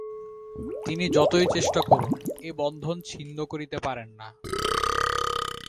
তিনি যতই চেষ্টা করুন, এ বন্ধন ছিন্ন করিতে পারেন না।